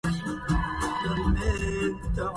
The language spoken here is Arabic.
عمر الأنسي